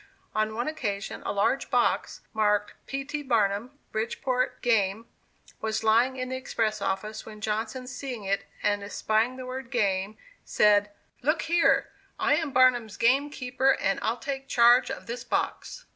On one occasion a large box, marked "P. T. Barnum, Bridgeport; Game," was lying in the express office, when Johnson seeing it, and espying the word "game," said: "Look here! I am 'Barnum's game keeper,' and I'll take charge of this box."